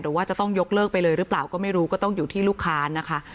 ว่าจะต้องยกเลิกไปเลยหรือเปล่าก็ไม่รู้ก็ต้องอยู่ที่ลูกค้านะคะ